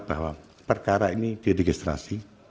bahwa perkara ini diredigistrasi